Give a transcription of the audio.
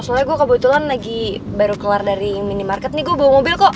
soalnya gue kebetulan lagi baru keluar dari minimarket nih gue bawa mobil kok